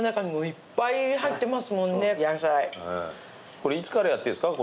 これいつからやってんですか？